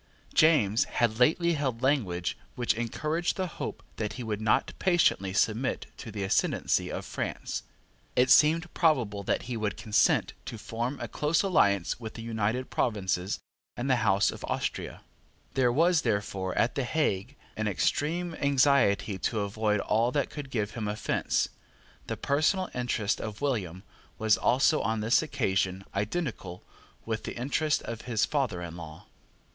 James had lately held language which encouraged the hope that he would not patiently submit to the ascendancy of France. It seemed probable that he would consent to form a close alliance with the United Provinces and the House of Austria. There was, therefore, at the Hague, an extreme anxiety to avoid all that could give him offence. The personal interest of William was also on this occasion identical with the interest of his father in law.